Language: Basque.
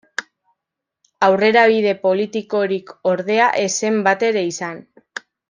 Aurrerabide politikorik, ordea, ez zen batere izan.